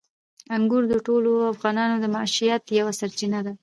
انګور د ټولو افغانانو د معیشت یوه سرچینه ده.